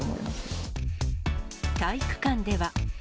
体育館では。